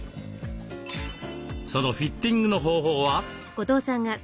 そのフィッティングの方法は？